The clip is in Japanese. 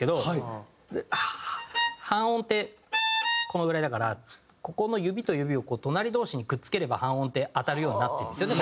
このぐらいだからここの指と指を隣同士にくっつければ半音って当たるようになってるんですよね